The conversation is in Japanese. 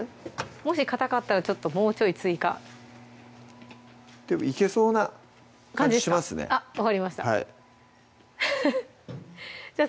もしかたかったらちょっともうちょい追加でもいけそうな感じしますねあっ分かりましたじゃあ